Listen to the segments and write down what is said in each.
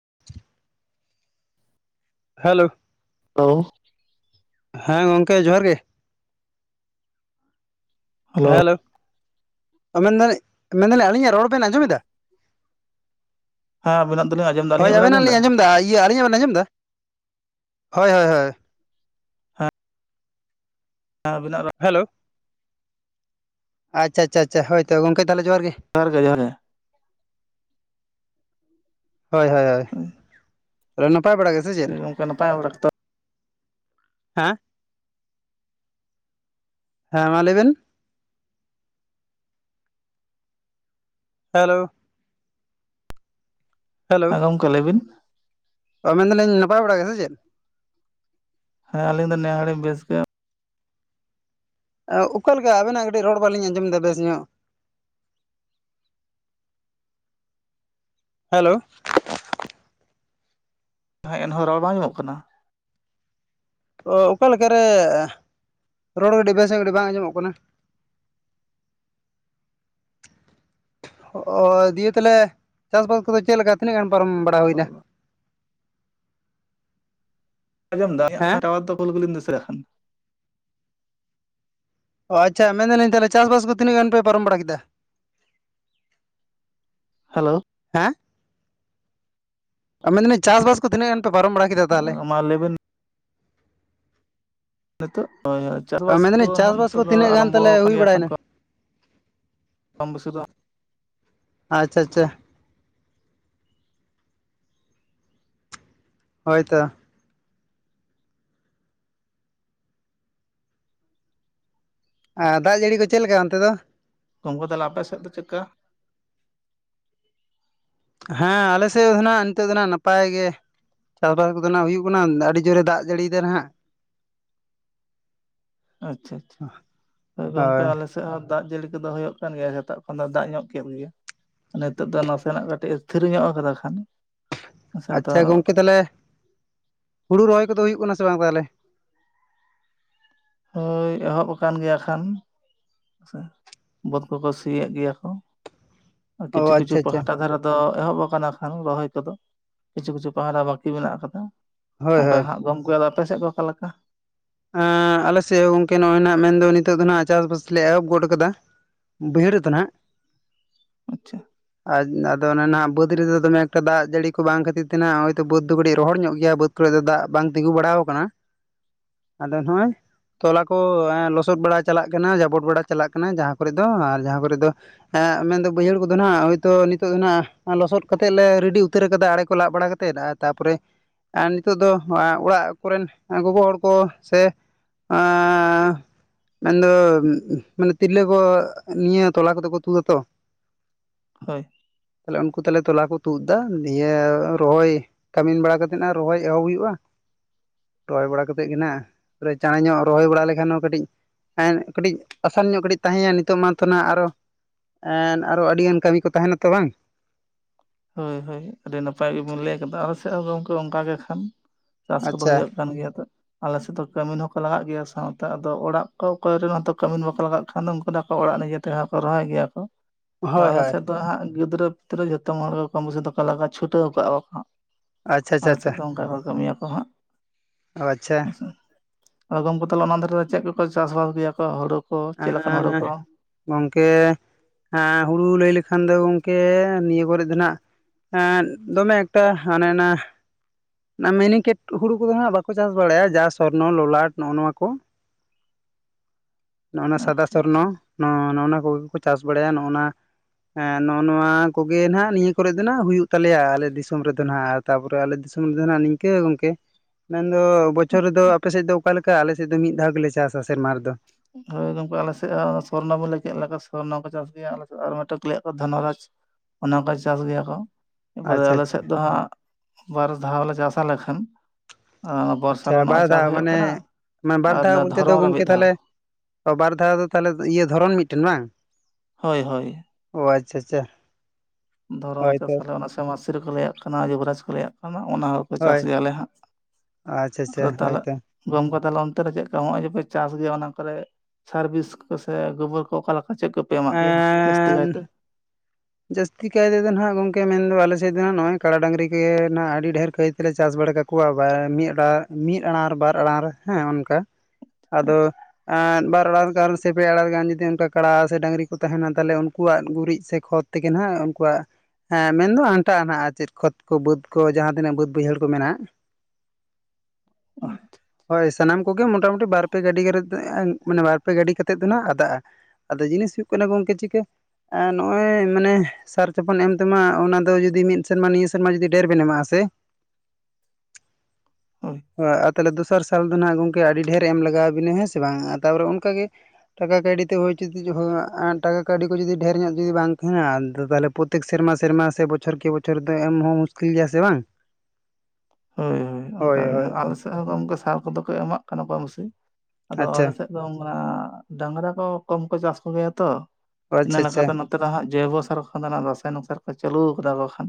[unintelligible] Hello [unintelligible] ᱦᱮᱸ ᱜᱚᱝᱠᱮ ᱡᱚᱦᱟᱨ ᱜᱮ, ᱦᱮᱞᱳ ᱢᱮᱱᱫᱟᱞᱤᱧ ᱢᱮᱱᱫᱟᱞᱤᱧ ᱟᱹᱞᱤᱧᱟᱜ ᱨᱚᱲ ᱵᱮᱱ ᱟᱸᱡᱚᱢ ᱮᱫᱟ? ᱦᱮ ᱟᱵᱮᱱᱟᱜ ᱫᱚᱞᱤᱧᱸᱡᱚᱢᱫᱟ, ᱦᱳᱭ ᱟᱹᱧᱟᱜ ᱵᱮᱱ ᱟᱵᱮᱱᱟᱜ ᱞᱤᱧ ᱟᱸᱡᱚᱢᱫᱟ? ᱟᱸᱡᱚᱢ ᱮᱫᱟ ᱤᱭᱟᱹ ᱟᱹᱞᱤᱧᱟᱜ ᱵᱮᱱ ᱟᱸᱡᱚᱢᱫᱟ, ᱦᱚᱭ ᱦᱚᱭ ᱦᱚᱭ [unintelligible] ᱦᱮᱸ ᱟᱵᱮᱱᱟᱜ ᱨᱚᱲ ᱦᱮᱞᱳ ᱟᱪᱪᱷᱟ ᱟᱪᱪᱷᱟ ᱟᱪᱪᱷᱟ ᱦᱳᱭ ᱛᱚ ᱜᱚᱝᱠᱮ ᱛᱟᱦᱚᱞᱮ ᱡᱚᱦᱟᱨ ᱜᱮ ᱡᱚᱦᱟᱨ ᱜᱮ ᱡᱚᱦᱟᱨ ᱜᱮ ᱦᱳᱭ ᱦᱳᱭ ᱦᱳᱭ ᱱᱟᱯᱟᱭ ᱵᱟᱲᱟ ᱜᱮᱥᱮ ᱪᱮᱫ? ᱜᱮ ᱜᱚᱝᱠᱮ ᱱᱟᱯᱟᱭ ᱵᱟᱲᱟ ᱜᱮᱛᱚ ᱦᱮᱸ, ᱦᱮᱸ ᱢᱟ ᱞᱟᱹᱭ ᱵᱮᱱ᱾ ᱦᱮᱞᱳ ᱦᱮᱸ ᱜᱚᱝᱠᱮ ᱞᱟᱹᱭ ᱵᱤᱱ, ᱟᱵᱮᱱ ᱫᱚ ᱛᱟᱞᱮ ᱱᱟᱯᱟᱭ ᱵᱟᱲᱟ ᱜᱮ ᱥᱮ ᱪᱮᱫ? ᱦᱮᱸ ᱟᱞᱤᱸᱧ ᱫᱚ ᱱᱮ ᱜᱷᱟᱹᱲᱤᱡ ᱵᱮᱥ ᱜᱮ, ᱚᱠᱟ ᱞᱮᱠᱟ ᱟᱵᱤᱱᱟᱜ ᱠᱟᱹᱴᱤᱡ ᱨᱚᱲ ᱵᱟᱞᱤᱸᱧ ᱟᱸᱡᱚᱢ ᱮᱫᱟ ᱵᱮᱥ ᱧᱚᱜ, ᱦᱮᱞᱳ ᱮᱱᱦᱚᱸ ᱨᱚᱲ ᱵᱟᱝ ᱟᱸᱡᱚᱢᱚᱜ ᱠᱟᱱᱟ? ᱚ ᱚᱠᱟ ᱞᱮᱠᱟᱨᱮ ᱨᱚᱲ ᱠᱟᱹᱴᱤᱡ ᱵᱮᱥ ᱧᱚᱜ ᱠᱟᱹᱴᱤᱡ ᱵᱟᱝ ᱟᱸᱡᱚᱢᱚᱜ ᱠᱟᱱᱟ᱾ [inaudible] ᱚ ᱫᱤᱭᱮ ᱛᱟᱦᱚᱞᱮ ᱪᱟᱥᱵᱟᱥ ᱠᱚᱫᱚ ᱪᱮᱫᱞᱮᱠᱟ ᱛᱤᱱᱟᱹᱜ ᱜᱟᱱ ᱯᱟᱨᱚᱢ ᱵᱟᱲᱟ ᱠᱚᱞ ᱦᱩᱭᱮᱱᱟ? ᱫᱚ᱾ ᱦᱮᱸ [unintelligible] ᱚ ᱟᱪᱪᱷᱟ ᱢᱮᱱᱫᱟᱞᱤᱸᱧ ᱛᱟᱦᱞᱮ ᱪᱟᱥ ᱵᱟᱥ ᱠᱚᱫᱚ ᱛᱤᱱᱟᱹᱜ ᱜᱟᱱ ᱯᱮ ᱯᱟᱨᱚᱢ ᱵᱟᱲᱟ ᱠᱮᱫᱟ? ᱦᱮᱞᱳ ᱦᱮᱸᱻ ᱢᱮᱱᱫᱟᱞᱤᱸᱧ ᱪᱟᱥ ᱵᱟᱥ ᱠᱚ ᱛᱤᱱᱟᱹᱜ ᱜᱟᱱ ᱯᱮ ᱯᱟᱨᱚᱢ ᱵᱟᱲᱟ ᱠᱮᱫᱟ ᱛᱟᱦᱚᱞᱮ? ᱢᱟ ᱞᱟᱹᱭ ᱵᱮᱱ ᱱᱤᱛᱚᱜ ᱪᱟᱥᱵᱟᱥ ᱠᱚ ᱢᱮᱱᱫᱟᱞᱤᱧ ᱦᱟᱜ ᱪᱟᱥᱵᱟᱥ ᱱᱚᱛᱮ ᱠᱚ ᱫᱚ ᱛᱤᱱᱟᱹᱜ ᱜᱟᱱ ᱟᱨᱟᱢᱵᱚ ᱛᱟᱞᱮ ᱟᱠᱟᱱ ᱦᱩᱭ ᱜᱮᱭᱟ ᱵᱟᱲᱟᱭᱮᱱᱟ? ᱠᱚ, ᱠᱚᱢ ᱵᱤᱥᱤ ᱫᱚ ᱟᱪᱪᱷᱟ ᱟᱪᱪᱷᱟ ᱦᱳᱭ ᱛᱚ ᱟᱨ ᱫᱟᱜ ᱡᱟᱹᱲᱤ ᱠᱚ ᱪᱮᱫ ᱞᱮᱠᱟ ᱚᱱᱛᱮ ᱫᱚ? ᱜᱚᱝᱠᱮ ᱛᱟᱞᱦᱮ ᱟᱯᱮ ᱥᱮᱫ ᱫᱚ ᱪᱮᱫᱠᱟ? ᱦᱮᱸ ᱟᱞᱮ ᱥᱮᱜ ᱦᱚᱱᱟᱜ ᱱᱤᱛᱚᱜ ᱫᱚ ᱱᱟᱜ ᱱᱟᱯᱟᱭ ᱜᱮ᱾ ᱪᱟᱥ ᱵᱟᱥ ᱠᱚᱫᱚ ᱱᱟᱜ ᱦᱩᱭᱩᱜ ᱠᱟᱱᱟ ᱟᱹᱰᱤ ᱡᱳᱨᱮ ᱫᱟᱜ ᱡᱟᱹᱲᱤᱭᱫᱟ ᱱᱟᱜ᱾ ᱟᱪᱪᱷᱟ ᱟᱪᱪᱷᱟ, ᱦᱚᱭ ᱜᱚᱝᱠᱮ ᱦᱳᱭ ᱟᱞᱮ ᱥᱮᱜ ᱦᱟᱜ ᱫᱟᱜ ᱡᱟᱹᱲᱤ ᱠᱚᱫᱚ ᱦᱳᱭᱳᱜ ᱠᱟᱱ ᱜᱮᱭᱟ ᱥᱮᱛᱟᱜ ᱠᱷᱚᱱ ᱫᱚ ᱫᱟᱜ ᱧᱚᱜ ᱠᱮᱫ ᱜᱮᱭᱟ᱾ ᱱᱤᱛᱚᱜ ᱫᱚ ᱱᱟᱥᱮᱱᱟᱜ ᱠᱟᱹᱴᱤᱡ ᱮ ᱛᱷᱤᱨ ᱧᱚᱜ ᱠᱟᱫᱟ ᱠᱷᱟᱱ, ᱦᱮᱸᱥᱮ ᱟᱪᱪᱷᱟ ᱟᱫᱚ ᱜᱚᱝᱠᱮ ᱛᱟᱞᱮ ᱦᱩᱲᱩ ᱨᱚᱦᱚᱭ ᱠᱚᱫᱚ ᱦᱩᱭᱩᱜ ᱠᱟᱱᱟ ᱥᱮ ᱵᱟᱝ ᱛᱟᱞᱦᱮ? ᱦᱳᱭ ᱮᱦᱚᱵ ᱠᱟᱱ ᱜᱮᱭᱟ ᱠᱷᱟᱱ ᱪᱟ ᱵᱟᱹᱫᱽ ᱠᱚᱠᱚ ᱥᱤᱭᱮᱜ ᱜᱮᱭᱟ ᱠᱚ ᱚ ᱠᱤᱪᱷᱩ ᱠᱤᱪᱷᱩ ᱟᱪᱪᱷᱟ ᱟᱪᱪᱷᱟ ᱯᱟᱦᱟᱴᱟ ᱫᱷᱟᱨᱮ, ᱛᱚ ᱮᱦᱚᱵ ᱠᱟᱱᱟ ᱮᱠᱷᱟᱱ ᱨᱚᱦᱚᱭ ᱠᱚᱫᱚ ᱠᱤᱪᱷᱩ ᱠᱤᱪᱷᱩ ᱯᱟᱦᱨᱟ ᱵᱟᱠᱤ ᱢᱮᱱᱟᱜ ᱠᱟᱫᱟ᱾ ᱦᱳᱭ ᱚᱝᱠᱟ ᱦᱳᱭ ᱦᱟᱸᱜ, ᱜᱚᱝᱠᱮ ᱟᱫᱚ ᱟᱯᱮ ᱥᱮᱜ ᱫᱚ ᱚ ᱚᱠᱟᱞᱮᱠᱟ? ᱮᱸ ᱟᱞᱮᱜ ᱦᱚᱸ ᱜᱚᱝᱠᱮ ᱱᱚᱜ-ᱚᱭ ᱱᱟᱜ ᱢᱮᱱᱫᱚ ᱱᱤᱛᱚᱜ ᱫᱚ ᱱᱟᱜ ᱪᱟᱥᱵᱟᱥ ᱞᱮ ᱮᱦᱚᱵ ᱜᱚᱫ ᱠᱟᱫᱟ ᱵᱟᱹᱭᱦᱟᱹᱲ ᱨᱮ ᱫᱚ ᱱᱟᱜ, ᱟᱪᱪᱷᱟ ᱟᱡ ᱟᱫᱚ ᱚᱱᱟᱮ ᱱᱟᱜ ᱵᱟᱹᱫᱽ ᱨᱮᱫᱚ ᱫᱚᱢᱮ ᱮᱠᱴᱟ ᱫᱟᱜ ᱡᱟᱹᱲᱤ ᱠᱚ ᱵᱟᱝ ᱠᱷᱟᱹᱛᱤᱨ ᱛᱮ ᱦᱟᱜ ᱵᱟᱹᱫᱽ ᱫᱚ ᱠᱟᱹᱴᱤᱡ ᱨᱚᱦᱚᱲ ᱧᱚᱜ ᱜᱮᱭᱟ᱾ ᱵᱟᱹᱫᱽ ᱠᱚᱨᱮ ᱫᱚ ᱫᱟᱜ ᱵᱟᱝ ᱛᱤᱜᱩ ᱵᱟᱲᱟᱣ ᱠᱟᱱᱟ᱾ ᱟᱫᱚ ᱱᱚᱜ-ᱚᱭ ᱛᱚᱞᱟ ᱠᱚ ᱮᱸ ᱞᱚᱥᱚᱫ ᱵᱟᱲᱟ ᱪᱟᱞᱟᱜ ᱠᱟᱱᱟ ᱡᱟᱵᱚᱴ ᱵᱟᱲᱟ ᱪᱟᱞᱟᱜ ᱠᱟᱱᱟ ᱡᱟᱦᱟᱸ ᱠᱚᱨᱮ ᱫᱚ ᱟᱨ ᱡᱟᱦᱟᱸ ᱠᱚᱨᱮ ᱫᱚ ᱮᱸ ᱢᱮᱱᱫᱚ ᱵᱟᱹᱭᱦᱟᱹᱲ ᱠᱚᱫᱚ ᱱᱟᱜ ᱦᱳᱭᱛᱳ ᱱᱤᱛᱚᱜ ᱫᱚ ᱞᱚᱥᱚᱫ ᱠᱟᱛᱮᱫ ᱞᱮ ᱨᱮᱰᱤ ᱩᱛᱟᱹᱨ ᱠᱟᱫᱟ ᱟᱲᱮ ᱠᱚ ᱞᱟᱜ ᱵᱟᱲᱟ ᱠᱟᱛᱮᱫ ᱟᱛ ᱛᱟᱯᱚᱨᱮ ᱱᱤᱛᱚᱜ ᱫᱚ ᱚᱲᱟᱜ ᱠᱚᱨᱮᱱ ᱜᱚᱜᱚ ᱦᱚᱲ ᱠᱚ ᱥᱮ ᱮᱸᱻ ᱢᱮᱱᱫᱚ ᱢᱟᱱᱮ ᱛᱤᱨᱞᱟᱹ ᱠᱚ ᱱᱤᱭᱟᱹ ᱛᱚᱲᱟ ᱠᱚᱫᱚ ᱠᱚ ᱛᱩᱫᱟ ᱛᱚ ᱦᱳᱭ ᱛᱟᱦᱞᱮ ᱩᱱᱠᱩ ᱛᱟᱦᱞᱮ ᱛᱚᱞᱟ ᱠᱚ ᱛᱩᱫ ᱮᱫᱟ ᱫᱤᱭᱮ ᱨᱚᱦᱚᱭ ᱠᱟᱹᱢᱤᱱ ᱵᱟᱲᱟ ᱠᱟᱛᱮᱫ ᱱᱟᱦᱟᱜ ᱨᱚᱦᱚᱭ ᱮᱦᱚᱵ ᱦᱩᱭᱩᱜ-ᱟ ᱨᱚᱦᱚᱭ ᱵᱟᱲᱟ ᱠᱟᱛᱮ ᱜᱮ ᱱᱟᱦᱟᱸᱜ ᱨᱮ ᱪᱟᱬᱮ ᱧᱚᱜ ᱨᱚᱦᱚᱭ ᱵᱟᱲᱟ ᱞᱮᱠᱷᱟᱱ ᱦᱚᱸ ᱠᱟᱹᱴᱤᱡ [unintelligible] ᱠᱟᱹᱴᱤᱡ ᱟᱥᱟᱱ ᱧᱚᱜ ᱠᱟᱹᱴᱤᱡ ᱛᱟᱦᱮᱸᱭᱟ ᱱᱤᱛᱚᱜ ᱢᱟ ᱛᱚ ᱱᱟᱦᱟᱸᱜ ᱟᱨᱦᱚ ᱮᱱ ᱟᱨᱚ ᱟᱹᱰᱤᱜᱟᱱ ᱠᱟᱹᱢᱤ ᱠᱚ ᱛᱟᱦᱮᱱᱟ ᱛᱚ ᱵᱟᱝ ᱦᱚᱭ ᱦᱚᱭ ᱟᱹᱰᱤ ᱱᱟᱯᱟᱭ ᱜᱮᱵᱚᱱ ᱞᱟᱹᱭ ᱟᱠᱟᱫᱟ ᱟᱵᱚ ᱥᱮᱜ ᱦᱚᱸ ᱜᱚᱝᱠᱮ ᱚᱝᱠᱟ ᱜᱮ ᱠᱷᱟᱱ ᱪᱟᱥ ᱠᱚᱫᱚ ᱟᱪᱪᱷᱟ ᱦᱩᱭᱩᱜ ᱠᱟᱱ ᱜᱮᱭᱟ ᱛᱚ ᱟᱞᱮᱥᱮᱫ ᱫᱚ ᱠᱟᱹᱢᱤᱱ ᱦᱚᱸᱠᱚ ᱞᱟᱜᱟᱜ ᱜᱮᱭᱟ ᱥᱟᱶᱛᱮ ᱟᱫᱚ ᱚᱲᱟᱜ ᱠᱚ ᱚᱠᱚᱭᱨᱮᱱ ᱦᱚ ᱛᱚ ᱠᱟᱹᱢᱤᱱ ᱵᱟᱠᱚ ᱞᱟᱜᱟᱜ ᱠᱷᱟᱱ ᱫᱚ ᱩᱝᱠᱩ ᱫᱚ ᱚ... ‌ ᱚᱲᱟᱜ ᱱᱤᱡᱮ ᱛᱮᱦᱚᱸ ᱠᱚ ᱨᱚᱦᱚᱭ ᱜᱮᱭᱟ ᱠᱚ ᱟᱫᱚ ᱦᱳᱭ ᱟᱞᱮ ᱦᱳᱭ ᱥᱮᱫ ᱫᱚ ᱦᱟᱸᱜ ᱜᱤᱫᱽᱨᱟᱹ ᱯᱤᱫᱽᱨᱟᱹ ᱡᱚᱛᱚ [unintelligible] ᱞᱟᱜᱟ ᱪᱷᱩᱴᱟᱹᱣ ᱠᱚᱜ-ᱟ ᱠᱚ ᱦᱟᱸᱜ ᱟᱪᱪᱷᱟ ᱟᱪᱪᱷᱟ ᱟᱞᱮ ᱟᱪᱪᱷᱟ ᱥᱮᱫ ᱫᱚ ᱚᱝᱠᱟ ᱠᱚ ᱠᱟᱹᱢᱤᱭᱟᱠᱚ ᱦᱟᱸᱜ ᱚ ᱟᱪᱪᱷᱟ ᱦᱮᱸᱥᱮ ᱟᱫᱚ ᱜᱚᱝᱠᱮ ᱛᱟᱞᱦᱮ ᱚᱱᱟ ᱫᱷᱟᱨᱮ ᱫᱚ ᱪᱮᱫ ᱠᱚᱠᱚ ᱪᱟᱥ-ᱵᱟᱥ ᱜᱮᱭᱟ ᱠᱚ ᱦᱩᱲᱩᱯ ᱮᱸᱻ ᱜᱚᱝᱠᱮ ᱮᱸ ᱦᱩᱲᱩ ᱞᱟᱹᱭ ᱞᱮᱠᱷᱟᱱ ᱫᱚ ᱜᱚᱝᱠᱮ ᱱᱤᱭᱟᱹ ᱠᱚᱨᱮ ᱫᱚ ᱱᱟᱦᱟᱸᱜ ᱮᱸᱫ ᱫᱚᱢᱮ ᱮᱠᱴᱟ ᱦᱟᱱᱮ ᱦᱟᱱᱟ ᱚᱱᱟ ᱢᱮᱱᱤᱱᱤᱠᱮᱴ ᱦᱩᱲᱩ ᱠᱚᱫᱚ ᱦᱟᱸᱜ ᱵᱟᱠᱚ ᱪᱟᱥ ᱵᱟᱲᱟᱭᱟ ᱡᱟ ᱥᱚᱨᱱᱚ ᱞᱚᱞᱟᱴ ᱱᱚᱜ-ᱚ ᱱᱚᱶᱟ ᱠᱚ ᱱᱚᱜ-ᱚ ᱱᱟ ᱥᱟᱫᱟ ᱟᱪᱪᱷᱟ ᱥᱚᱨᱱᱚ ᱱᱚ ᱱᱚᱜ-ᱚ ᱱᱟ ᱠᱚᱜᱮ ᱠᱚ ᱪᱟᱥ ᱵᱟᱲᱟᱭᱟ ᱱᱚᱜ-ᱚ ᱱᱟ ᱦᱮᱸ ᱱᱚᱜ-ᱚ ᱱᱚᱶᱟ ᱠᱚ ᱜᱮ ᱱᱟᱦᱟᱸᱜ ᱱᱤᱭᱟᱹ ᱠᱚᱨᱮ ᱫᱚ ᱱᱟᱦᱟᱜ ᱦᱩᱭᱩᱜ ᱛᱟᱞᱮᱭᱟ ᱟᱞᱮ ᱫᱤᱥᱚᱢ ᱨᱮᱫᱚ ᱱᱟᱦᱟᱜ ᱛᱟᱯᱚᱨᱮ ᱟᱞᱮ ᱫᱤᱥᱚᱢ ᱨᱮᱫᱚ ᱱᱟᱦᱟᱸᱜ ᱱᱤᱝᱠᱟᱹ ᱜᱚᱝᱠᱮ ᱢᱮᱱᱫᱚ ᱵᱚᱪᱷᱚᱨ ᱨᱮᱫᱚ ᱟᱯᱮᱥᱮᱡ ᱫᱚ ᱚᱠᱟ ᱞᱮᱠᱟ ᱟᱞᱮᱥᱮᱫ ᱫᱚ ᱢᱤᱫ ᱫᱷᱟᱣ ᱜᱮ ᱞᱮ ᱪᱟᱥ-ᱟ ᱥᱮᱨᱢᱟ ᱨᱮ ᱫᱚ ᱦᱚᱭ ᱜᱚᱝᱠᱮ ᱟᱞᱮ ᱥᱮᱜ ᱦᱚᱸ ᱥᱚᱨᱱᱚ ᱵᱤᱱ ᱢᱮᱱ ᱠᱮᱫ ᱞᱮᱠᱟ ᱥᱚᱨᱱᱚ ᱠᱚ ᱪᱟᱥ ᱜᱮᱭᱟ ᱟᱞᱮᱥᱮᱜ, ᱟᱨ ᱢᱤᱫᱴᱟᱝ ᱠᱚ ᱞᱟ. ᱭᱟ ᱫᱷᱚᱱᱚ ᱨᱟᱡᱽ ᱚᱱᱟ ᱠᱚ ᱪᱟᱥ ᱜᱮᱭᱟ ᱠᱚ ᱛᱟ ᱯᱚᱨᱮ ᱟᱪᱪᱷᱟ ᱟᱞᱮ ᱟᱪᱪᱷᱟ ᱥᱮᱫ ᱫᱚ ᱦᱟᱸᱜ ᱵᱟᱨ ᱫᱷᱟᱣ ᱞᱮ ᱪᱟᱥᱟ ᱞᱮᱠᱷᱟᱱ ᱟᱨ ᱵᱚᱨᱥᱟ ᱟᱪᱪᱷᱟ ᱨᱮ ᱱᱚᱜ-ᱚᱭ ᱪᱟᱥ ᱦᱩᱭᱩᱜ ᱠᱟᱱᱟ ᱟᱨ ᱛᱮᱫᱚ ᱫᱷᱚᱨᱚᱱ ᱨᱮ ᱜᱚᱝᱠᱮ ᱢᱤᱫ ᱫᱷᱟᱣ ᱛᱦᱟᱞᱮ ᱵᱟᱨ ᱫᱷᱟᱣ ᱫᱚ ᱛᱟᱦᱞᱮ ᱤᱭᱟᱹ ᱫᱷᱚᱨᱚᱱ ᱢᱤᱫᱴᱮᱱ ᱵᱟᱝ ᱦᱚᱭ ᱦᱚᱭ ᱚ ᱟᱪᱪᱷᱟ ᱟᱪᱪᱷᱟ ᱫᱷᱚᱨᱚᱱᱮ ᱪᱟᱥ ᱦᱳᱭᱛᱚ ᱛᱟᱦᱟᱞᱮ ᱚᱱᱟ ᱥᱮ ᱢᱟ ᱥᱤᱨ ᱠᱚ ᱞᱟᱹᱭᱟᱜ ᱠᱟᱱᱟ ᱡᱩᱵᱽᱨᱟᱡᱽ ᱠᱚ ᱞᱟᱹᱭᱟᱜ ᱠᱟᱱᱟ ᱚᱱᱟᱼᱼ ᱛᱚ ᱪᱟᱥ ᱦᱳᱭ ᱜᱮᱭᱟᱞᱮ ᱦᱟᱸᱜ ᱟᱪᱪᱷᱟ ᱟᱪᱪᱷᱟ ᱟᱫᱚ ᱛᱟᱦᱚᱞᱮᱜᱼᱼ ᱦᱳᱭᱛᱚ ᱜᱚᱢᱠᱮ ᱛᱟᱦᱟᱞᱮ ᱚᱱᱛᱮ ᱨᱮ ᱪᱮᱫ ᱠᱟ ᱦᱚᱸᱜ-ᱚᱭ ᱡᱮᱯᱮ ᱪᱟᱥ ᱜᱮᱭᱟ ᱚᱱᱟ ᱠᱚᱨᱮᱼᱼ ᱥᱟᱨ ᱵᱤᱥ ᱠᱚ ᱥᱮ ᱜᱚᱵᱚᱨ ᱠᱚ ᱚᱠᱟ ᱞᱮᱠᱟ ᱪᱮᱜ ᱠᱚ ᱯᱮ ᱮᱢᱟᱜ ᱜᱮᱭᱟ ᱡᱟᱹᱥᱛᱤ ᱮᱸᱻ ᱠᱟᱭᱛᱮ? [inaudible] ᱡᱟᱹᱥᱛᱤ ᱠᱟ. ᱭ ᱛᱮᱫᱚ ᱱᱟᱦᱟᱸᱜ ᱜᱚᱝᱠᱮ ᱢᱮᱱ ᱫᱚ ᱟᱞᱮ ᱥᱮᱡ ᱫᱚ ᱦᱟᱸᱜ ᱱᱚᱜ-ᱚᱸᱭ ᱠᱟᱲᱟ ᱰᱟᱝᱨᱤ ᱜᱮ ᱱᱟᱦᱟᱸᱜ ᱟᱰᱤ ᱰᱷᱮᱨ ᱠᱟᱭᱹᱼᱼ ᱛᱮᱞᱮ ᱪᱟᱥ ᱵᱟᱲᱟ ᱠᱟᱠᱚᱣᱟ ᱵᱚᱣ ᱢᱤᱫ ᱟᱲᱟᱨ ᱢᱤᱫ ᱟᱬᱟᱨ ᱵᱟᱨ ᱟᱬᱟᱨ ᱦᱮᱸ ᱚᱱᱠᱟ᱾ ᱟᱫᱚ ᱮᱸ ᱵᱟᱨ ᱚᱲᱟᱨ ᱨᱮᱠᱟ‌ᱨ ᱥᱮ ᱯᱮ ᱟᱲᱟᱨ ᱜᱟᱱ ᱡᱩᱫᱤ ᱚᱱᱠᱟ ᱠᱟᱲᱟᱥᱼᱼ ᱥᱮ ᱰᱟᱝᱨᱤ ᱠᱚ ᱛᱟᱦᱮᱱᱟ ᱛᱟᱦᱚᱞᱮ ᱩᱱᱠᱩᱣᱟᱜ ᱜᱩᱨᱤᱡ ᱥᱮ ᱠᱷᱚᱛ ᱛᱮᱜᱮ ᱱᱟᱦᱟᱸᱜ ᱩᱱᱠᱩᱣᱟᱜᱼᱼ ᱦᱮᱸ ᱢᱮᱱ ᱫᱚ ᱟᱱᱴᱟᱜ-ᱟ ᱱᱟᱦᱟᱸᱜ ᱟᱨ ᱪᱮᱫ ᱠᱷᱚᱛ ᱠᱚ ᱵᱟᱹᱫᱽ ᱠᱚ ᱡᱟᱦᱟᱸ ᱛᱤᱱᱟᱹᱜ ᱵᱟᱹᱫᱽ ᱵᱟᱹᱭᱦᱟᱹᱲ ᱠᱚ ᱢᱮᱱᱟᱜ-ᱟ᱾ ᱚᱦ ᱦᱚᱭ ᱥᱟᱱᱟᱢ ᱠᱚᱜᱮ ᱢᱚᱴᱟᱼᱢᱩᱴᱤ ᱵᱟᱨ ᱯᱮ ᱜᱟᱹᱰᱤ ᱦᱟᱹᱨᱤᱡᱼᱼ ᱱᱮᱜ ᱮᱱ ᱢᱟᱱᱮ ᱵᱟᱨ ᱯᱮ ᱜᱟᱹᱰᱤ ᱠᱟᱛᱮᱜ ᱫᱚ ᱱᱟᱦᱟᱸᱜ ᱟᱫᱟᱜ-ᱟ ᱟᱫᱚ ᱡᱤᱱᱤᱥ ᱦᱩᱭᱩᱜ ᱠᱟᱱᱟ ᱜᱚᱝᱠᱮ ᱪᱤᱠᱟᱹᱼᱼ ᱮᱸ ᱱᱚᱜ-ᱚᱭ ᱢᱟᱱᱮᱼᱼᱼ ᱥᱟᱨ ᱡᱚᱯᱚᱱ ᱮᱢ ᱛᱮᱢᱟ ᱚᱱᱟ ᱫᱚ ᱡᱩᱫᱤ ᱢᱤᱫ ᱥᱮᱱᱢᱟ ᱱᱤᱭᱟᱹ ᱥᱮᱨᱢᱟ ᱡᱩᱫᱤ ᱰᱷᱮᱨ ᱵᱮᱱ ᱮᱢᱟᱜ-ᱟ ᱥᱮᱼᱼ ᱦᱳᱭ ᱦᱮᱸ ᱟᱛᱼᱼ ᱛᱟᱦᱚᱞᱮ ᱫᱚᱥᱟᱨ ᱥᱟᱞ ᱫᱚ ᱱᱟᱦᱟᱸᱜ ᱜᱚᱝᱠᱮ ᱟ. ᱰᱤ ᱰᱷᱮᱨ ᱮᱢ ᱞᱟᱜᱟᱣ ᱟᱵᱤᱱᱟᱹ ᱦᱮᱸ ᱥᱮ ᱵᱟᱝ ᱟᱸ ᱛᱟᱯᱚᱨᱮ ᱚᱱᱠᱟ ᱜᱮᱼᱼ ᱴᱟᱠᱟ ᱠᱟ. ᱣᱲᱤ ᱛᱮ ᱦᱚᱡᱼᱼ ᱡᱩᱫᱤ ᱡᱚᱠᱷᱚᱱ ᱚᱸᱻᱱ ᱟᱸ ᱴᱟᱠᱟ ᱠᱟᱹᱣᱲᱤ ᱠᱚ ᱡᱩᱫᱤ ᱰᱷᱮᱨ ᱧᱚᱜ ᱡᱩᱫᱤ ᱵᱟᱝ ᱛᱟᱦᱮᱱᱟ ᱟᱫᱚ ᱛᱟᱦᱚᱞᱮ ᱯᱚᱨᱛᱮᱠ ᱥᱮᱨᱢᱟ ᱥᱮᱨᱢᱟ ᱥᱮ ᱵᱚᱪᱷᱚᱨ ᱠᱮ ᱼᱼ ᱵᱚᱪᱷᱚᱨ ᱫᱚ ᱮᱢ ᱦᱚᱸ ᱢᱩᱥᱠᱤᱞ ᱜᱮᱭᱟ ᱥᱮ ᱵᱟᱝ᱾ ᱦᱚᱭ ᱦᱚᱭ ᱚᱱᱠᱟ ᱦᱳᱭ ᱜᱮ ᱦᱳᱭ ᱦᱟᱸᱜ ᱟᱞᱮ ᱥᱮᱜ ᱦᱚᱸ ᱜᱚᱝᱠᱮ ᱥᱟᱨ ᱠᱚᱫᱚ ᱠᱚ ᱮᱢᱟᱜ ᱠᱟᱱᱟ ᱠᱚᱢ ᱵᱤᱥᱤ᱾ ᱟᱫᱚ ᱟᱪᱪᱷᱟ ᱟᱞᱮ ᱥᱮᱜ ᱫᱚ ᱚᱱᱟ ᱰᱟᱝᱨᱟ ᱠᱚ ᱠᱚᱢ ᱠᱚ ᱪᱟᱥ ᱠᱚ ᱜᱮᱭᱟ ᱛᱚ ᱤᱱᱟᱹ ᱟᱪᱪᱷᱟ ᱞᱟᱠᱟ ᱟᱪᱪᱷᱟ ᱛᱮ ᱱᱚᱛᱼᱼ ᱛᱮ ᱱᱟᱦᱟᱸᱜ ᱡᱚᱭᱵᱚᱥᱟᱨ ᱠᱷᱚᱱ ᱫᱚ ᱚᱱᱟ ᱨᱟᱥᱟᱭᱱᱤᱠ ᱥᱟᱨ ᱠᱚ ᱪᱟᱹᱞᱩᱣ ᱟᱠᱟᱫᱟ, ᱟᱫᱚ ᱠᱷᱟᱱ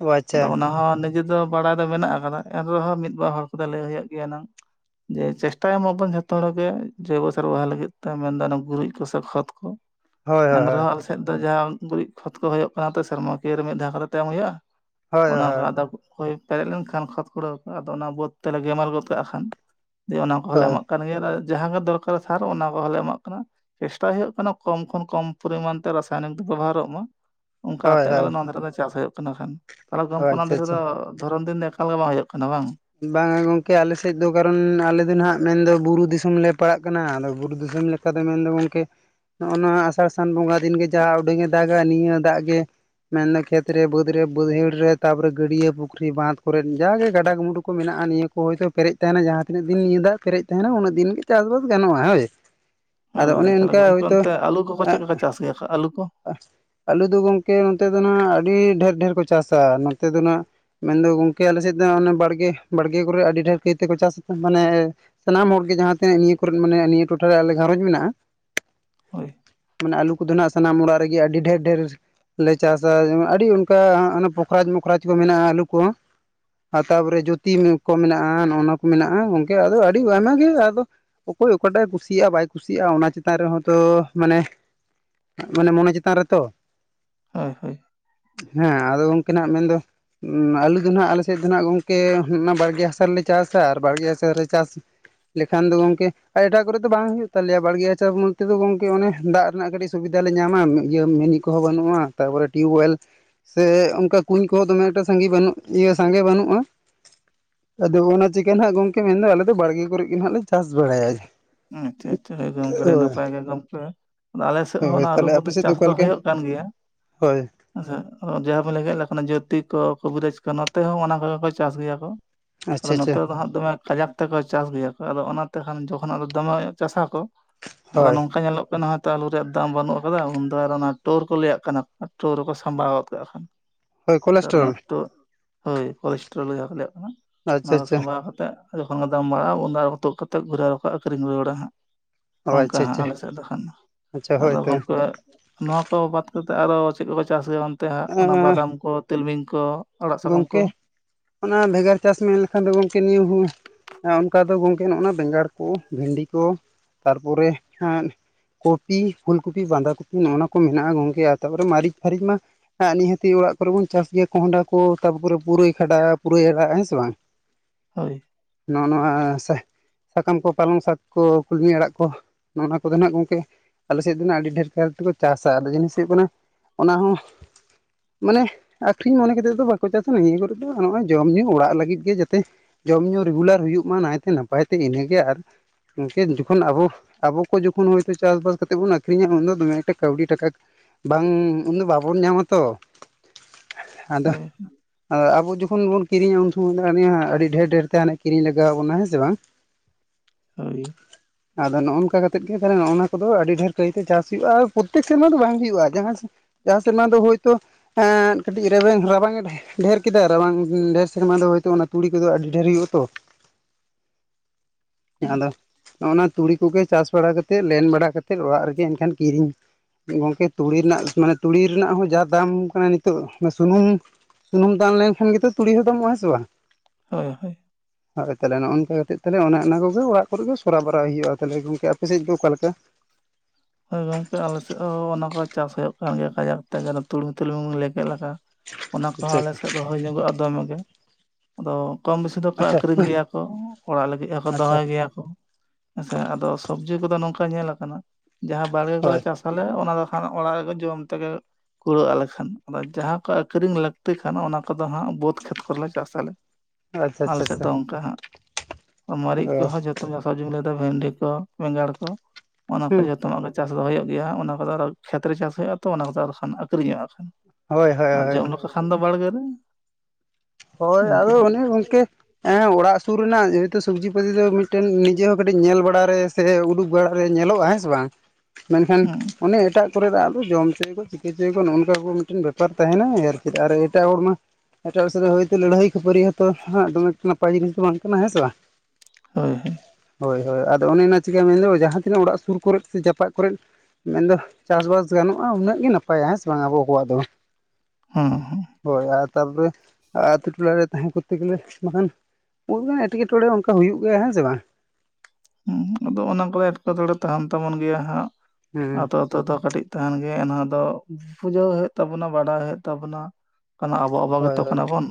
ᱚ ᱟᱪᱪᱷᱟ ᱟᱫᱚ ᱚᱱᱟ ᱦᱚᱸ ᱱᱤᱼᱼ ᱱᱤᱡᱮ ᱫᱚ ᱵᱟᱲᱟᱭ ᱫᱚ ᱢᱮᱱᱟᱜ ᱟᱠᱟᱫᱟ, ᱮᱱ ᱨᱮᱦᱚᱸ ᱢᱤᱫ ᱵᱟᱨ ᱦᱚᱲ ᱠᱚᱫᱚ ᱞᱟᱹᱭ ᱦᱩᱭᱩᱜ ᱜᱮᱭᱟ ᱱᱟᱝ ᱾ ᱡᱮ ᱪᱮᱥᱴᱟᱭ ᱢᱟᱵᱚᱱ ᱡᱷᱚᱛᱚ ᱦᱚᱲ ᱜᱮ ᱡᱳᱭᱵᱚ ᱥᱟᱨ ᱵᱮᱵᱷᱟᱨ ᱞᱟᱹᱜᱤᱫ ᱛᱮ, ᱢᱮᱱ ᱫᱚ ᱚᱱᱟ ᱜᱩᱨᱤᱡ ᱠᱚ ᱥᱮ ᱠᱷᱚᱛ ᱠᱚ ᱦᱳᱭ ᱾ ᱦᱳᱭ ᱮᱱ ᱦᱳᱭ ᱨᱮᱦᱚᱸ ᱟᱞᱮ ᱥᱮᱫ ᱫᱚ ᱡᱟᱦᱟᱸ ᱜᱩᱨᱤᱡ ᱠᱷᱚᱛ ᱠᱚ ᱦᱚᱭᱚᱜ ᱠᱟᱱᱟ, ᱛᱚ ᱥᱮᱨᱢᱟ ᱠᱤᱭᱟᱹ ᱨᱮ ᱢᱤᱫ ᱫᱷᱟᱣ ᱠᱟᱛᱮ ᱮᱢ ᱦᱩᱭᱩᱜ-ᱟ ᱾ ᱦᱳᱭ ᱚᱱᱟ ᱠᱚ ᱟᱫᱚ ᱦᱳᱭ ᱯᱮᱨᱮᱡ ᱞᱮᱱᱠᱷᱟᱱ ᱠᱷᱚᱛ ᱠᱩᱲᱟᱹᱣ ᱠᱟᱜ-ᱟ, ᱟᱫᱚ ᱚᱱᱟ ᱵᱟᱹᱫᱽ ᱛᱮᱞᱮ ᱜᱮᱢᱟᱞ ᱜᱚᱫ ᱠᱟᱜ-ᱟ ᱠᱷᱟᱱ ᱾ ᱡᱮ ᱚᱱᱟ ᱠᱚᱦᱚᱸ ᱞᱮ ᱦᱳᱭ ᱮᱢᱟᱜ ᱠᱟᱱ ᱜᱮᱭᱟ, ᱟᱨ ᱡᱟᱦᱟᱸ ᱜᱮ ᱫᱚᱨᱠᱟᱨᱟ ᱥᱟᱨ ᱚᱱᱟ ᱠᱚᱦᱚᱸ ᱞᱮ ᱮᱢᱟᱜ ᱠᱟᱱᱟ ᱾ ᱪᱮᱥᱴᱟᱭ ᱦᱩᱭᱩᱜ ᱠᱟᱱᱟ ᱠᱚᱢ ᱠᱷᱚᱱ ᱠᱚᱢ ᱯᱚᱨᱤᱢᱟᱱ ᱛᱮ ᱨᱟᱥᱟᱭᱚᱱᱤᱠ ᱫᱚ ᱵᱮᱵᱚᱦᱟᱨᱚᱜ ᱢᱟ ᱾ ᱚᱱᱠᱟ ᱦᱳᱭ ᱠᱟᱛᱮᱜ ᱜᱮ ᱟᱞᱮ ᱦᱳᱭ ᱱᱚᱣᱟ ᱫᱷᱟᱨᱮ ᱫᱚ ᱪᱟᱥ ᱦᱚᱭᱚᱜ ᱠᱟᱱᱟ ᱠᱷᱟᱱ, ᱛᱟᱦᱚᱞᱮ ᱦᱳᱭ ᱜᱚᱢᱠᱮ ᱚᱱᱟ ᱟᱪᱪᱷᱟ ᱫᱷᱟᱨᱮ ᱟᱪᱪᱷᱟ ᱫᱚᱼᱼ ᱫᱷᱚᱨᱚᱱ ᱫᱤᱱ ᱫᱚ ᱮᱠᱟᱞ ᱜᱮ ᱵᱟᱝ ᱦᱩᱭᱩᱜ ᱠᱟᱱᱟ ᱵᱟᱝ? ᱵᱟᱝᱟ ᱜᱚᱝᱠᱮ ᱟᱞᱮ ᱥᱮᱡ ᱫᱚ ᱠᱟᱨᱚᱱ, ᱟᱞᱮ ᱫᱚ ᱦᱟᱸᱜ ᱢᱮᱱ ᱫᱚ ᱵᱩᱨᱩ ᱫᱤᱥᱚᱢ ᱞᱮ ᱯᱟᱲᱟᱜ ᱠᱟᱱᱟ ᱾ ᱟᱫᱚ ᱵᱩᱨᱩ ᱫᱤᱥᱚᱢ ᱞᱮᱼᱼ ᱠᱟᱛᱮ ‌ᱢᱮᱱᱫᱚ ᱜᱚᱝᱠᱮ ᱱᱚᱜ-ᱚ ᱱᱚᱣᱟ ᱟᱥᱟᱲ ᱥᱟᱱ ᱵᱚᱸᱜᱟ ᱫᱤᱱ ᱜᱮ ᱡᱟ ᱩᱰᱟᱹᱝ ᱮ ᱫᱟᱜᱟ ᱱᱤᱭᱟᱹ ᱫᱟᱜ ᱜᱮᱼᱼ ᱢᱮᱱ ᱫᱚ ᱠᱷᱮᱛ ᱨᱮ ᱵᱟᱹᱫᱽ ᱨᱮ ᱵᱟᱹᱭᱦᱟᱹᱲ ᱨᱮ ᱛᱟᱨᱯᱚᱨᱮ ᱜᱟᱹᱰᱭᱟᱹ ᱯᱩᱠᱷᱨᱤ ᱵᱟᱸᱫᱽ ᱠᱚᱨᱮ ᱡᱟ ᱜᱮ ᱜᱟᱰᱟ ᱢᱩᱸᱰᱩᱼᱼ ᱠᱚ ᱢᱮᱱᱟᱜ-ᱟ ᱾ ᱱᱤᱭᱟᱹ ᱠᱚ ᱦᱳᱭᱛᱚ ᱯᱮᱨᱮᱡ ᱛᱟᱦᱮᱱᱟ ᱡᱟᱦᱟᱸ ᱛᱤᱱᱟᱹᱜ ᱫᱤᱱ ᱱᱤᱭᱟᱹ ᱫᱟᱜ ᱯᱮᱨᱮᱡ ᱛᱟᱦᱮᱱᱟ ᱩᱱᱟᱹᱜ ᱫᱤᱱ ᱜᱮ ᱪᱟᱥ-ᱵᱟᱥ ᱜᱟᱱᱚᱜ-ᱟ ᱦᱳᱭ ᱾ [unintelligible] ᱦᱳᱭ, ᱛᱟᱦᱚᱞᱮ ᱜᱚᱢᱠᱮ ᱚᱱᱛᱮ ᱟᱞᱩ ᱠᱚᱠᱚ ᱪᱮᱫ ᱞᱮᱠᱟ ᱠᱚ ᱪᱟᱥ ᱜᱮᱭᱟ ᱠᱷᱟᱡ ᱟᱹᱞᱩ ᱠᱚ? ᱟᱦ, ᱟᱹᱞᱩ ᱫᱚ ᱜᱚᱝᱠᱮ ᱚᱱᱛᱮ ᱫᱚ ᱱᱟᱦᱟᱸᱜ ᱟᱹᱰᱤ ᱰᱷᱮᱨ ᱰᱷᱮᱨ ᱠᱚ ᱪᱟᱥᱟ ᱾ ᱱᱚᱛᱮ ᱫᱚ ᱱᱟᱜ ᱢᱮᱱ ᱫᱚ ᱜᱚᱝᱠᱮ ᱟᱞᱮ ᱥᱮᱡ ᱫᱚ ᱚᱱᱮ ᱵᱟᱲᱜᱮ, ᱵᱟᱲᱜᱮ ᱠᱚᱨᱮ ᱟᱹᱰᱤ ᱰᱷᱮᱨ ᱠᱟᱭᱛᱮ ᱠᱚ ᱪᱟᱥᱟ ᱛᱚ ᱢᱟᱱᱮ ᱥᱟᱱᱟᱢ ᱦᱚᱲ ᱜᱮ ᱡᱟᱦᱟᱸ ᱛᱤᱱᱟᱹᱜ ᱱᱤᱭᱟᱹ ᱠᱚᱨᱮᱱ ᱢᱟᱱᱮ ᱱᱤᱭᱟᱹ ᱴᱚᱴᱷᱟ ᱨᱮ ᱟᱞᱮ ᱜᱷᱟᱨᱚᱸᱡᱽ ᱢᱮᱱᱟᱜ-ᱟ ᱾ ᱦᱳᱭ ᱾ ᱢᱟᱱᱮ ᱟᱞᱩ ᱠᱚᱫᱚ ᱱᱟᱦᱟᱸᱜ ᱥᱟᱱᱟᱢ ᱚᱲᱟᱜ ᱨᱮᱜᱮ ᱟᱰᱤ ᱰᱷᱮᱨ ᱰᱷᱮᱨᱼᱼ ᱞᱮ ᱪᱟᱥᱟ ᱾ ᱡᱮᱢᱚᱱ ᱟᱹᱰᱤ ᱚᱱᱠᱟ ᱟᱸ ᱯᱚᱠᱷᱨᱟᱪ ᱢᱚᱠᱨᱟᱪ ᱠᱚ ᱢᱮᱱᱟᱜ-ᱟ ᱟᱹᱞᱩ ᱠᱚ ᱦᱚᱸ᱾ ᱟᱨ ᱛᱟᱨᱯᱚᱨᱮ ᱡᱩᱛᱤ ᱠᱚ ᱢᱮᱱᱟᱜ-ᱟ, ᱱᱚᱜ-ᱚ ᱱᱚᱶᱟ ᱠᱚ ᱢᱮᱱᱟᱜ-ᱟ ᱾ ᱜᱚᱝᱠᱮ ᱟᱫᱚ ᱟᱹᱰᱤ ᱟᱭᱢᱟ ᱜᱮ ᱟᱫᱚᱼᱼ ᱚᱠᱚᱭ ᱚᱠᱟᱴᱟᱜ ᱮ ᱠᱩᱥᱤᱭᱟᱜ-ᱟ ᱵᱟᱭ ᱠᱩᱥᱤᱭᱟᱜ-ᱟ ᱚᱱᱟ ᱪᱮᱛᱟᱱ ᱨᱮᱦᱚᱸ ᱛᱚ ᱢᱟᱱᱮ ᱢᱟᱱᱮ ᱢᱚᱱᱮ ᱪᱮᱛᱟᱱ ᱨᱮ ᱛᱚ ᱾ ᱦᱚᱭ ᱦᱚᱭ ᱾ ᱦᱮᱸ, ᱟᱫᱚ ᱜᱚᱝᱠᱮ ᱱᱟᱦᱟᱸᱜ ᱢᱮᱱ ᱫᱚ ᱩᱢ, ᱟᱞᱩ ᱫᱚ ᱱᱟᱦᱟᱸᱜ ᱟᱞᱮ ᱥᱮᱡ ᱫᱚ ᱦᱟᱸᱜ ᱜᱚᱝᱠᱮ ᱦᱚᱸᱜ-ᱚ ᱱᱟ ᱵᱟᱲᱜᱮ ᱦᱟᱥᱟ ᱨᱮᱞᱮ ᱪᱟᱥᱟ ᱟᱨ ᱵᱟᱲᱜᱮ ᱦᱟᱥᱟ ᱨᱮ ᱪᱟᱥ ᱞᱮᱠᱷᱟᱱ ᱫᱚ ᱜᱚᱝᱠᱮ ᱟᱨ ᱮᱴᱟᱜ ᱠᱚᱨᱮ ᱫᱚ ᱵᱟᱝ ᱦᱩᱭᱩᱜ ᱛᱟᱞᱮᱭᱟ ᱾ ᱵᱟᱲᱜᱮ ᱟᱪᱟᱨ ᱵᱩᱞᱛᱮ ᱫᱚ ᱜᱚᱝᱠᱮ ᱚᱱᱮ ᱫᱟᱜ ᱨᱮᱱᱟᱜ ᱠᱟᱹᱴᱤᱡ ᱥᱩᱵᱤᱫᱟ ᱞᱮ ᱧᱟᱢᱟ ᱾ ᱩᱢ ᱤᱭᱟᱹ ᱢᱤᱱᱤ ᱠᱚᱦᱚᱸ ᱵᱟᱹᱱᱩᱜ-ᱟ ᱛᱟᱨᱯᱚᱨᱮ ᱴᱤᱭᱩᱵᱽᱭᱮᱞ ᱥᱮ ᱚᱱᱠᱟ ᱠᱩᱧ ᱠᱚᱦᱚᱸ ᱫᱚᱢᱮ ᱮᱠᱴᱟ ᱥᱟᱸᱜᱮ ᱵᱟᱹᱱᱩᱜ, ᱤᱭᱟᱹ ᱥᱟᱸᱜᱮ ᱵᱟᱹᱱᱩᱜᱼᱟ ᱾ ᱟᱫᱚ ᱚᱱᱟ ᱪᱤᱠᱟᱹ ᱦᱟᱜ ᱜᱚᱝᱠᱮ ᱢᱮᱱ ᱫᱚ ᱟᱞᱮ ᱫᱚ ᱵᱟᱲᱜᱮ ᱠᱚᱨᱮ ᱜᱮ ᱦᱟᱜ ᱞᱮ ᱪᱟᱥ ᱵᱟᱲᱟᱭᱼᱟ ᱾ ᱟᱪᱪᱷᱟ ᱟᱪᱪᱷᱟ, ᱦᱳᱭ [unintelligible] ᱱᱟᱯᱟᱭ ᱜᱮ ᱜᱚᱝᱠᱮ ᱾ ᱟᱫᱚ ᱟᱞᱮ ᱥᱮᱫ ᱦᱚ ᱦᱳᱭ ᱚᱱᱟ ᱟᱞᱩ ᱛᱟᱦᱚᱞᱮ ᱠᱚᱫᱚ ᱟᱯᱮ ᱥᱮᱫ ᱪᱟᱥ ᱚᱠᱟ ᱫᱚ ᱞᱮᱠᱟ ᱦᱩᱭᱩᱜ ᱠᱟᱱ ᱜᱮᱭᱟ ᱦᱳᱭ ᱾ ᱦᱮᱸ ᱥᱮ, ᱟᱫᱚ ᱡᱟᱦᱟ ᱵᱤᱱ ᱞᱟᱹᱭ ᱠᱮᱫ [unintelligible] ᱡᱟᱹᱛᱤ ᱠᱚ ᱠᱩᱵᱤᱨᱡᱽ ᱠᱚ ᱱᱚᱛᱮ ᱦᱚᱸ ᱚᱱᱟ ᱠᱚ ᱜᱮ ᱠᱚ ᱪᱟᱥ ᱜᱮᱭᱟ ᱠᱚ ᱾ ᱟᱫᱚ ᱟᱪᱪᱷᱟ ᱟᱪᱪᱷᱟ ᱱᱚᱛᱮ ᱫᱚ ᱦᱟᱸᱜ ᱫᱚᱢᱮ ᱠᱟᱡᱟᱠ ᱛᱮᱠᱚ ᱪᱟᱥ ᱜᱮᱭᱟ ᱠᱚ, ᱟᱫᱚ ᱚᱱᱟᱛᱮ ᱠᱷᱟᱱ ᱡᱚᱠᱷ ᱚᱱ ᱦᱟᱜ ᱫᱚᱢᱮ ᱪᱟᱥ ᱟᱠᱚ ᱟᱫᱚ ᱦᱳᱭ ᱱᱚᱝᱠᱟ ᱧᱮᱞᱚᱜ ᱠᱟᱱᱟ ᱟᱹᱞᱩ ᱨᱮᱭᱟᱜ ᱫᱟᱢ ᱵᱟᱹᱱᱩᱜ ᱟᱠᱟᱫᱟ, ᱩᱱᱫᱚ ᱟᱨ ᱚᱱᱟ ᱴᱳᱨ ᱠᱚ ᱞᱟᱹᱭᱟᱜ ᱠᱟᱱᱟ, ᱴᱳᱨ ᱨᱮᱠᱚ ᱥᱟᱢᱵᱟᱣ ᱜᱚᱫ ᱠᱟᱜ-ᱟ ᱠᱷᱟᱱ ᱾ ᱦᱳᱭ ᱠᱳᱞᱮᱥᱴᱨᱚᱞ [unintelligible] ᱦᱳᱭ, ᱠᱚᱞᱮᱥᱴᱨᱳᱞ ᱡᱟᱦᱟ ᱠᱚ ᱞᱟᱹᱭᱟᱜ ᱠᱟᱱᱟ, ᱚᱱᱟ ᱟᱪᱪᱷᱟ ᱫᱚ ᱟᱪᱪᱷᱟ ᱥᱟᱸᱵᱟᱣ ᱠᱟᱛᱮᱫ ᱡᱚᱠᱷᱚᱱ ᱜᱮ ᱫᱟᱢ ᱵᱟᱲᱦᱟᱜᱼᱟ ᱩᱱ ᱫᱚ [unintelligible] ᱛᱩᱫ ᱠᱟᱛᱮᱫ ᱜᱷᱩᱨᱤ ᱟᱨᱦᱚ ᱠᱚ ᱟᱹᱠᱷᱨᱤᱧ ᱨᱩᱣᱟᱹᱲᱟ ᱦᱟᱸᱜ ᱾ ᱚ ᱚᱱᱠᱟ ᱟᱪᱪᱷᱟ ᱦᱟᱜ ᱟᱪᱪᱷᱟ ᱟᱞᱮ ᱥᱮᱫ ᱫᱚ ᱠᱷᱟᱱ, ᱟᱪᱪᱷᱟ ᱦᱳᱭ ᱟᱫᱚ ᱛᱚ ᱜᱚᱝᱠᱮ ᱱᱚᱣᱟ ᱠᱚ ᱵᱟᱫ ᱠᱟᱛᱮᱫ ᱟᱨᱚ ᱪᱮᱫ ᱠᱚᱯᱮ ᱪᱟᱥ ᱜᱮᱭᱟ, ᱚᱱᱛᱮ ᱦᱟᱸᱜ ᱚᱱᱟ ᱮᱸ ᱵᱟᱫᱟᱢ ᱠᱚ ᱛᱤᱞᱢᱤᱧ ᱠᱚ ᱾ ᱜᱚᱝᱠᱮ ᱚᱱᱟ ᱵᱷᱮᱜᱟᱨ ᱪᱟᱥ ᱢᱮᱱ ᱞᱮᱠᱷᱟᱱ ᱫᱚ ᱜᱚᱝᱠᱮ ᱱᱤᱭᱟᱹ ᱦᱚᱸ ᱚᱱᱠᱟ ᱫᱚ ᱜᱚᱝᱠᱮ ᱱᱚᱜ-ᱚ ᱱᱟ ᱵᱮᱸᱜᱟᱲ ᱠᱚ ᱵᱷᱮᱱᱰᱤ ᱠᱚ ᱛᱟᱨᱯᱚᱨᱮ ᱦᱟᱜ ᱠᱷᱟᱱ ᱠᱚᱯᱤ, ᱯᱷᱩᱞ ᱠᱚᱯᱤ, ᱵᱟᱸᱫᱷᱟ ᱠᱚᱯᱤ ᱱᱚᱜ ᱱᱚᱣᱟ ᱠᱚ ᱢᱮᱱᱟᱜᱼᱟ ᱜᱚᱝᱠᱮ ᱾ ᱛᱟᱨᱯᱚᱨᱮ ᱢᱟᱨᱤᱡ ᱯᱷᱟᱹᱨᱤᱪ ᱢᱟ ᱱᱤᱦᱟᱹᱛ ᱜᱮ ᱚᱲᱟᱜ ᱠᱚᱨᱮ ᱵᱚᱱ ᱪᱟᱥ ᱜᱮᱭᱟ ᱠᱚᱸᱦᱰᱟ ᱠᱚ, ᱛᱟᱯᱚᱨᱮ ᱯᱩᱨᱟᱹᱭ ᱠᱷᱟᱰᱟ, ᱯᱩᱨᱟᱹᱭ ᱟᱲᱟᱜ ᱦᱮᱸ ᱥᱮ ᱵᱟᱝ ᱾ ᱦᱳᱭ ᱾ ᱱᱚᱜᱼᱚ ᱱᱚᱣᱟ ᱦᱮᱸ ᱥᱮ ᱾ ᱥᱟᱠᱟᱢ ᱠᱚ ᱯᱟᱞᱚᱝ ᱥᱟᱠ ᱠᱚ ᱠᱩᱞᱢᱤ ᱟᱲᱟᱜ ᱠᱚ, ᱱᱚᱜᱼᱱᱟ ᱠᱚᱫᱚ ᱦᱟᱜ ᱜᱚᱝᱠᱮ ᱟᱞᱮ ᱥᱮᱫ ᱫᱚ ᱦᱟᱜ ᱟᱹᱰᱤ ᱰᱷᱮᱨ ᱠᱟᱨ ᱛᱮᱠᱚ ᱪᱟᱥᱟ ᱾ ᱟᱫᱚ ᱡᱤᱱᱤᱥ ᱦᱩᱭᱩᱜ ᱠᱟᱱᱟ, ᱚᱱᱟ ᱦᱚᱸ ᱢᱟᱹᱱᱮ ᱟᱠᱷᱨᱤᱧ ᱢᱚᱱᱮ ᱠᱟᱹᱛᱮ ᱫᱚ ᱵᱟᱹᱠᱚ ᱪᱟᱥᱟᱹ ᱱᱤᱭᱟᱹ ᱠᱚᱨᱮ ᱫᱚ ᱱᱚᱜᱼᱚᱭ ᱡᱚᱢ ᱧᱩ ᱚᱲᱟᱜ ᱞᱟᱹᱜᱤᱫ ᱜᱮ ᱡᱟᱛᱮ ᱡᱚᱢ ᱧᱩ ᱨᱮᱜᱩᱞᱟᱨ ᱦᱩᱭᱩᱜ ᱢᱟ ᱱᱟᱭᱛᱮ ᱱᱟᱯᱟᱭ ᱛᱮ ᱤᱱᱟᱹᱜᱮ ᱟᱨ ᱩᱱᱠᱷᱮᱡ ᱡᱚᱠᱷᱚᱱ ᱟᱵᱚ ᱟᱵᱚ ᱠᱚ ᱡᱚᱠᱷᱚᱱ ᱦᱚᱭᱛᱳ ᱪᱟᱥᱹᱵᱟᱥ ᱠᱟ ᱠᱟᱛᱮᱫ ᱵᱚᱱ ᱟᱠᱷᱨᱤᱧᱟ ᱩᱱ ᱫᱚ ᱫᱚᱢᱮ ᱮᱠᱴᱟ ᱠᱟᱹᱣᱰᱤ ᱴᱟᱠᱟ ᱵᱟᱝ ᱩᱱᱤ ᱵᱟᱹᱵᱚᱱ ᱧᱟᱢᱟᱹ ᱛᱚ ᱟᱫᱚ ᱦᱳᱭ ᱟᱨ ᱟᱵᱚ ᱡᱚᱠᱷᱚᱱ ᱵᱚᱱ ᱠᱤᱨᱤᱸᱧᱟ ᱩᱱ ᱥᱚᱢᱚᱭ ᱫᱚ ᱱᱤᱭᱟᱹ ᱟᱹᱰᱤ ᱰᱷᱮᱨ ᱰᱷᱮᱨ ᱛᱮ ᱦᱟᱱᱮ ᱠᱤᱨᱤᱸᱧ ᱞᱟᱜᱟᱣᱟ ᱵᱚᱱᱟ ᱦᱮᱸ ᱥᱮ ᱥᱮ ᱵᱟᱝᱹ ᱦᱳᱭ [inaudible] ᱟᱫᱚ ᱱᱚᱜᱼᱚ ᱱᱚᱝᱠᱟ ᱠᱟᱛᱮ ᱜᱮ ᱱᱚ ᱱᱚᱭᱱᱟ ᱠᱚᱫᱚ ᱟᱹᱰᱤ ᱰᱷᱮᱨ ᱠᱟᱭᱛᱮ ᱪᱟᱥ ᱦᱩᱭᱩᱜᱼᱟ ᱯᱨᱚᱛᱮᱠ ᱥᱮᱨᱢᱟ ᱫᱚ ᱵᱟᱝ ᱦᱩᱭᱩᱜᱼᱟ᱾ ᱡᱟᱦᱟᱸ ᱛᱤᱥ ᱡᱟᱦᱟᱸ ᱥᱮᱨᱢᱟ ᱫᱚ ᱦᱳᱭᱛᱳ ᱮᱸ ᱠᱟᱹᱴᱤᱡ ᱨᱮᱸᱵᱮᱝ ᱨᱟᱵᱟᱝ ᱰᱮ ᱰᱷᱮᱨ ᱠᱮᱫᱟᱭ ᱨᱟᱵᱟᱝ ᱰᱷᱮᱨ ᱥᱮᱨᱢᱟ ᱫᱚ ᱦᱳᱭᱛᱳ ᱚᱱᱟ ᱛᱩᱲᱤ ᱠᱚᱫᱚ ᱟᱹᱰᱤ ᱰᱷᱮᱨ ᱜᱮ ᱦᱩᱭᱩᱜ ᱟᱛᱚ [inaudible] ᱦᱮᱸ ᱟᱫᱚ ᱱᱚᱭᱱᱟ ᱛᱩᱲᱤ ᱠᱚ ᱜᱮ ᱪᱟᱥ ᱵᱟᱲᱟ ᱠᱟᱛᱮᱫ ᱞᱮᱱ ᱵᱟᱲᱟ ᱠᱟᱛᱮᱫ ᱚᱲᱟᱜ ᱨᱮ ᱜᱮ ᱮᱱᱠᱷᱟᱱ ᱠᱤᱨᱤᱧ ᱜᱚᱝᱠᱮ ᱛᱩᱲᱤ ᱨᱮᱱᱟᱜ ᱢᱟᱱᱮ ᱛᱩᱲᱤ ᱨᱮᱱᱟᱜ ᱦᱚᱸ ᱡᱟᱦᱟᱸᱫᱟᱢ ᱠᱟᱱᱟ ᱱᱤᱛᱚᱜ ᱢᱟᱱᱮ ᱥᱩᱱᱩᱢ ᱥᱩᱱᱩᱢ ᱫᱟᱱ ᱞᱮᱱ ᱠᱷᱟᱱ ᱜᱮᱛᱚ ᱛᱩᱲᱤ ᱦᱚᱸᱫᱟᱢᱚᱜ ᱦᱮᱸ ᱥᱮ ᱵᱟᱝ ᱦᱳᱭ ᱦᱳᱭ [inaudible] ᱛᱟᱦᱞᱮ ᱱᱚᱭᱱᱚᱝᱠᱟ ᱠᱟᱛᱮᱜ ᱛᱟᱦᱞᱮ ᱚᱱᱮ ᱚᱱᱟ ᱠᱚ ᱜᱮ ᱚᱲᱟᱜ ᱠᱚ ᱨᱮ ᱜᱮ ᱥᱚᱨᱟᱵᱟᱨᱟᱭ ᱦᱩᱭᱩᱜᱼᱟ ᱛᱟᱦᱚᱞᱮ ᱜᱚᱝᱠᱮ ᱟᱯᱮ ᱥᱮᱫ ᱫᱚ ᱚᱠᱟ ᱞᱮᱠᱟ ᱦᱚᱭ ᱜᱚᱝᱠᱮ ᱟᱞᱮ ᱥᱮᱫ ᱦᱚᱸ ᱚᱱᱟ ᱠᱚ ᱪᱟᱥ ᱦᱩᱭᱩᱜ ᱠᱟᱱ ᱜᱮᱭᱟ ᱠᱟᱡᱟᱠ ᱛᱮ ᱜᱮ ᱛᱩᱲᱢᱤ ᱛᱩᱞᱤᱢᱤ ᱞᱮ ᱠᱮᱫ ᱞᱮᱠᱟ᱾ ᱚᱱᱟ ᱠᱚᱦᱚᱸ ᱟᱪᱪᱷᱟ ᱟᱞᱮ ᱟᱪᱪᱷᱟ ᱥᱮᱫ ᱫᱚ ᱦᱩᱭ ᱧᱚᱜᱚᱜᱼᱟ ᱫᱚᱢᱮ ᱜᱮ ᱟᱫᱚ ᱠᱚᱢ ᱵᱮᱥᱤ ᱫᱚ ᱠᱚ ᱟᱪᱪᱷᱟ ᱟᱠᱷᱨᱤᱧ ᱜᱮᱭᱟ ᱠᱚ ᱚᱲᱟᱜ ᱞᱟᱜᱤᱫ ᱟᱨ ᱠᱚ ᱟᱪᱪᱷᱟ ᱫᱚᱦᱚᱭ ᱜᱮᱭᱟ ᱠᱚ ᱦᱮᱸᱥᱮ ᱟᱫᱚ ᱥᱚᱵᱽᱡᱤ ᱠᱚᱫᱚ ᱱᱚᱝᱠᱟ ᱧᱮᱞ ᱟᱠᱟᱱᱟ ᱡᱟᱦᱟᱸ ᱵᱟᱲᱜᱮ ᱠᱚᱞᱮ ᱦᱳᱭ ᱪᱟᱥ ᱛᱟᱦᱞᱮ ᱚᱱᱟ ᱫᱚ ᱠᱷᱟᱱ ᱚᱲᱟᱜ ᱨᱮ ᱜᱮ ᱡᱚᱢ ᱛᱮ ᱜᱮ ᱠᱩᱲᱟᱹᱜ ᱟᱞᱮᱠᱷᱟᱱ ᱟᱫᱚ ᱡᱟᱦᱟᱸ ᱠᱚ ᱟᱠᱷᱨᱤᱧ ᱞᱟᱠᱛᱤ ᱠᱷᱟᱱ ᱚᱱᱟ ᱠᱚᱫᱚ ᱦᱟᱸᱜ ᱵᱟᱹᱫᱽ ᱠᱷᱮᱛ ᱠᱚᱨᱮ ᱞᱮ ᱪᱟᱥᱟ ᱞᱮ᱾ [inaudible] ᱟᱞᱮ ᱟᱪᱪᱷᱟ ᱥᱮᱫ ᱫᱚ ᱟᱪᱪᱷᱟ ᱚᱝᱠᱟ ᱦᱟᱸᱜ ᱢᱟᱨᱤᱜ ᱚ ᱠᱚᱦᱚᱸ ᱡᱚᱛᱚ ᱜᱮ ᱦᱚᱡ ᱢᱩᱞᱟᱹᱫᱚ ᱵᱷᱮᱱᱰᱤ ᱠᱚ ᱵᱮᱸᱜᱟᱲ ᱠᱚ ᱚᱱᱟ ᱠᱚ ᱦᱩᱸ ᱡᱚᱛᱚᱢᱟᱜ ᱜᱮ ᱪᱟᱥ ᱫᱚ ᱦᱩᱭᱩᱜ ᱜᱮᱭᱟ ᱚᱱᱟ ᱠᱚᱫᱚ ᱟᱨ ᱠᱷᱮᱛ ᱨᱮ ᱪᱟᱥ ᱦᱩᱭᱩᱜᱼᱟ ᱛᱚ ᱚᱱᱟ ᱠᱚᱫᱚ ᱥᱟᱱ ᱟᱠᱷᱨᱤᱧᱚᱜᱼᱟ ᱥᱟᱱ ᱦᱳᱭ ᱦᱳᱭ ᱟᱨ ᱦᱳᱭ ᱡᱚᱢ ᱥᱚᱥᱟᱱ ᱫᱚ ᱵᱟᱲᱜᱮ ᱨᱮ ᱦᱳᱭ ᱤᱱᱠᱟᱹ ᱟᱫᱚ ᱦᱟᱸᱜ ᱚᱱᱮ ᱜᱚᱝᱠᱮ ᱦᱮᱸ ᱚᱲᱟᱜ ᱥᱩᱨ ᱨᱮᱱᱟᱜ ᱡᱮᱦᱮᱛᱩ ᱥᱚᱵᱽᱡᱤ ᱯᱟᱹᱛᱤ ᱫᱚ ᱢᱤᱫᱴᱮᱱ ᱱᱤᱡᱮ ᱦᱚᱸ ᱠᱟᱹᱴᱤᱡ ᱧᱮᱞ ᱵᱟᱲᱟ ᱨᱮ ᱥᱮ ᱩᱰᱩᱠ ᱵᱟᱲᱟᱜ ᱨᱮ ᱧᱮᱞᱚᱜᱼᱟ ᱦᱮᱸ ᱥᱮ ᱵᱟᱝ ᱢᱮᱱᱠᱷᱟᱱ ᱦᱩᱸ ᱚᱱᱮ ᱮᱴᱟᱜ ᱯᱚᱨᱮᱨ ᱨᱟᱜ ᱫᱚ ᱡᱚᱢ ᱦᱚᱪᱚᱭᱟᱠᱚ ᱪᱤᱠᱟᱹ ᱪᱚᱭᱟᱠᱚ ᱱᱚᱜᱼᱚ ᱱᱚᱝᱠᱟ ᱠᱚ ᱢᱤᱫᱴᱮᱱ ᱵᱮᱯᱟᱨ ᱛᱟᱦᱮᱱᱟᱭ ᱟᱨ ᱪᱮᱫ ᱟᱨ ᱮᱴᱟᱜ ᱦᱚᱲ ᱢᱟ ᱮᱴᱟᱜ ᱦᱚᱲ ᱥᱟᱸᱣ ᱛᱮ ᱦᱳᱭᱛᱳ ᱞᱟᱹᱲᱦᱟᱹᱭ ᱠᱷᱟᱹᱯᱟᱹᱨᱤ ᱦᱚᱸᱛᱚ ᱦᱟᱸᱜ ᱫᱚᱢᱮ ᱱᱟᱯᱟᱭ ᱡᱤᱱᱤᱥ ᱫᱚ ᱵᱟᱝ ᱠᱟᱱᱟ ᱦᱮᱸ ᱥᱮ ᱵᱟᱝ ᱦᱳᱭ ᱦᱮᱸ ᱦᱳᱭ ᱦᱳᱭ ᱟᱫᱚ ᱚᱱᱮ ᱚᱱᱟ ᱪᱤᱠᱟᱹᱭᱟᱭ ᱢᱮᱱᱫᱚ ᱡᱟᱦᱟᱸ ᱛᱤᱱᱟᱹᱜ ᱚᱲᱟᱜ ᱥᱩᱨ ᱠᱚᱨᱮᱜ ᱥᱮ ᱡᱟᱯᱟᱜ ᱠᱚᱨᱮᱜ ᱢᱮᱱ ᱫᱚ ᱪᱟᱥ ᱵᱟᱥ ᱜᱟᱱᱚᱜᱼᱟ ᱩᱱᱟᱹᱜ ᱜᱮ ᱱᱟᱯᱟᱭᱟ ᱦᱮᱸ ᱥᱮ ᱵᱟᱝ ᱟᱵᱚ ᱟᱠᱚᱣᱟᱜ ᱫᱚ᱾ ᱦᱩᱸᱦᱩᱸ ᱦᱳᱭ ᱟᱨ ᱛᱟᱨᱯᱚᱨᱮ ᱟᱛᱳ ᱴᱚᱞᱟᱨᱮ ᱛᱟᱦᱮᱸ ᱠᱚᱛᱮ ᱜᱮᱞᱮ ᱵᱟᱠᱷᱟᱱ ᱩᱱᱟᱹᱜ ᱮᱴᱠᱮᱴᱚᱬᱮ ᱚᱱᱠᱟ ᱦᱩᱭᱩᱜ ᱜᱮᱭᱟ ᱦᱮᱸ ᱥᱮ ᱵᱟᱝ ᱦᱩᱸ ᱟᱫᱚ ᱚᱱᱟ ᱠᱚᱫᱚ ᱮᱴᱠᱮᱴᱚᱬᱮ ᱛᱟᱦᱮᱱ ᱛᱟᱵᱚᱱ ᱜᱮᱭᱟ ᱦᱟᱸᱜ ᱦᱮᱸ ᱟᱫᱚ ᱚᱠᱛᱚ ᱫᱚ ᱠᱟᱹᱴᱤᱡ ᱛᱟᱦᱮᱱ ᱜᱮ ᱮᱱ ᱦᱚ ᱫᱚ ᱯᱩᱡᱟᱹᱣ ᱦᱩᱭᱩᱜ ᱛᱟᱵᱚᱱᱟ ᱵᱟᱰᱟᱭ ᱦᱩᱭᱩᱜ ᱛᱟᱵᱚᱱᱟ᱾ ᱠᱟᱱᱟ ᱟᱵᱚ ᱟᱵᱚ ᱦᱳᱭ ᱜᱮᱛᱚ ᱦᱳᱭ ᱠᱟᱱᱟ ᱵᱚᱱ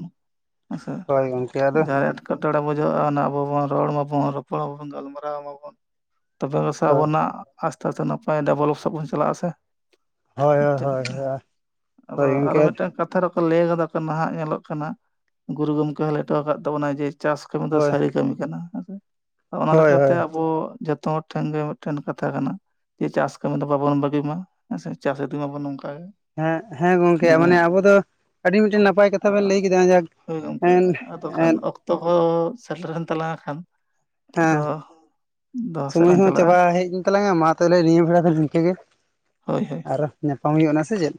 ᱦᱮᱸᱥᱮ ᱦᱳᱭ ᱜᱚᱢᱠᱮ ᱟᱫᱚ ᱡᱟᱦᱟᱸ ᱮᱴᱠᱮᱴᱚᱬᱮ ᱵᱩᱡᱷᱟᱹᱜᱼᱟ ᱚᱱᱟ ᱟᱵᱚ ᱵᱚᱱ ᱨᱚᱲ ᱢᱟᱵᱚᱱ ᱨᱚᱯᱚᱲ ᱟᱵᱚᱱ ᱜᱟᱞᱢᱟᱨᱟᱣ ᱢᱟᱵᱚᱱ ᱛᱚᱵᱮ ᱣᱟᱥᱮ ᱦᱳᱭ ᱟᱵᱚᱱᱟᱜ ᱟᱥᱛᱮ ᱟᱥᱛᱮ ᱱᱟᱯᱟᱭ ᱰᱟᱵᱷᱞᱚᱯ ᱥᱟᱵ ᱵᱚᱱ ᱪᱟᱞᱟᱜ ᱟᱥᱮ ᱦᱳᱭ ᱢᱤᱫ ᱦᱳᱭ ᱠᱟᱛᱷᱟ ᱟᱫᱚ ᱦᱳᱭ ᱟᱨ ᱜᱚᱢᱠᱮ ᱢᱤᱫᱴᱟᱝ ᱠᱟᱛᱷ ᱠᱟᱛᱷᱟ ᱨᱮᱦᱚᱸ ᱠᱚ ᱞᱟᱹᱭ ᱠᱟᱫᱟ ᱠᱚ ᱱᱟᱦᱟᱜ ᱧᱮᱞᱚᱜ ᱠᱟᱱᱟ ᱜᱩᱨᱩ ᱜᱚᱢᱠᱮ ᱦᱚᱸ ᱞᱮᱭᱴᱚ ᱟᱠᱟᱫ ᱛᱟᱵᱚᱱᱟᱭ ᱡᱮ ᱪᱟᱥ ᱠᱟᱹᱢᱤ ᱫᱚ ᱦᱳᱭ ᱥᱟᱹᱨᱤ ᱠᱟᱹᱢᱤ ᱠᱟᱱᱟ ᱦᱮᱸ ᱥᱮ ᱟᱫᱚ ᱚᱱᱟ ᱦᱳᱭ ᱞᱮᱠᱟᱛ ᱦᱳᱭ ᱟᱵᱚ ᱡᱚᱛᱚ ᱦᱚᱲ ᱴᱷᱮᱱ ᱜᱮ ᱢᱤᱫᱴᱮᱱ ᱠᱟᱛᱷᱟ ᱠᱟᱱᱟ᱾ ᱡᱮ ᱪᱟᱥ ᱠᱟᱹᱢᱤ ᱫᱚ ᱵᱟᱵᱚᱱ ᱵᱟᱹᱜᱤ ᱢᱟ ᱦᱮᱸ ᱥᱮ ᱪᱟᱥ ᱤᱫᱤ ᱢᱟᱵᱚᱱ ᱱᱚᱝᱠᱟ ᱜᱮ ᱦᱮᱸ ᱦᱮᱸ ᱜᱚᱝᱠᱮ ᱱᱤᱭᱟᱹ ᱢᱟᱱᱮ ᱟᱵᱚ ᱫᱚ ᱟᱹᱰᱤ ᱢᱤᱫᱴᱮᱱ ᱱᱟᱯᱟᱭ ᱠᱟᱛᱷᱟ ᱵᱮᱱ ᱞᱟᱹᱭ ᱠᱮᱫᱟ ᱡᱟᱦᱟᱸᱡᱟᱦᱟᱸ ᱦᱩᱭ ᱜᱚᱝᱠᱮ ᱟᱫᱚ ᱠᱷᱟᱱ ᱚᱠᱛᱚ ᱠᱚ ᱥᱮᱴᱨᱮᱱ ᱛᱟᱞᱟᱝ ᱠᱷᱟᱱ ᱦᱮᱸ ᱟᱫᱚ ᱫᱚᱦᱚ ᱥᱮᱫ ᱥᱚᱢᱚᱭ ᱞᱟᱝ ᱦᱚᱸ ᱪᱟᱞᱟᱜᱼᱟ ᱪᱟᱵᱟ ᱦᱮᱡᱮᱱ ᱛᱟᱞᱟᱝᱟ ᱢᱟ ᱛᱟᱦᱚᱞᱮ ᱱᱤᱭᱟᱹ ᱵᱮᱲᱟ ᱫᱚ ᱱᱤᱝᱠᱟᱹ ᱜᱮ, ᱦᱳᱭ ᱦᱳᱭ ᱟᱨ ᱧᱟᱯᱟᱢ ᱦᱩᱭᱩᱜ ᱱᱟ ᱥᱮ ᱪᱮᱫ,